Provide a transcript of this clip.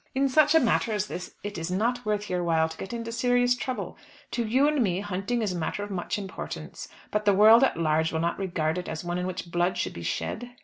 In such a matter as this it is not worth your while to get into serious trouble. To you and me hunting is a matter of much importance; but the world at large will not regard it as one in which blood should be shed.